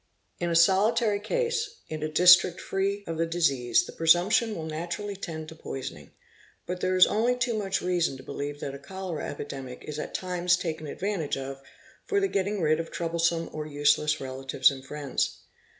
In a solitary case, in a district free ' of the disease, the presumption will naturally tend to poisoning; but ' there is only too much reason to believe that a cholera epidemic is at times taken advantage of for the getting rid of troublesome or useless ; velatives and friends.